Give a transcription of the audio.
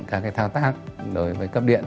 các thao tác đối với cấp điện